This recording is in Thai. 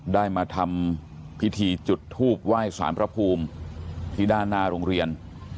ได้มาทำพิธีจุดทูบไหว้สารพระภูมิที่ด้านหน้าโรงเรียน